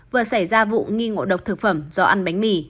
vừa xảy ra vụ nghi ngộ độc thực phẩm do ăn bánh mì